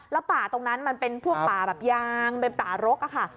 แล้วป่าตรงนั้นมันเป็นพวกป่าแบบยางเป็นป่ารกอะค่ะ